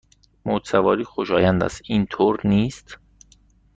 موج سواری خوشایند است، اینطور نیست؟